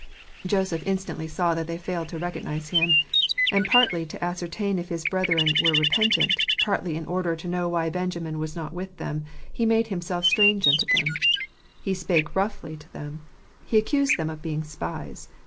Joseph instantly saw that they failed to recognize him ; and partly to ascertain if his brethren were repentant, partly in order to know why Benjamin was not with them, he made himself strange unto them. He spake roughly to them. He accused them of being spies.